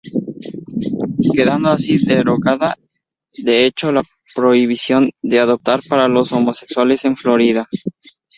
Quedando así derogada de hecho la prohibición de adoptar para los homosexuales en Florida.